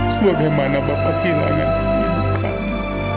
sebagaimana bapak kehilangan ibu kamu